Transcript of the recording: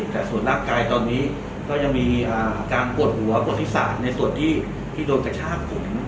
แต่ส่วนร่างกายตอนนี้ก็ยังมีอาการโกรธหัวโกรธฤษาในส่วนที่โดนกระชากหลุน